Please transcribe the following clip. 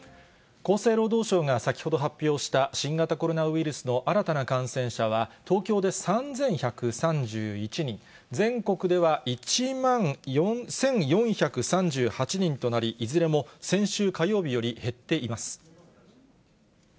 厚生労働省が先ほど発表した新型コロナウイルスの新たな感染者は東京で３１３１人、全国では１万４４３８人となり、いずれも先週火曜日より減っています。